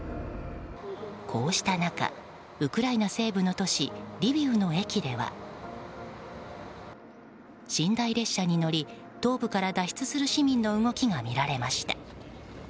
こうした中ウクライナ西部の都市リビウの駅では寝台列車に乗り東部から脱出する市民の動きが見られました。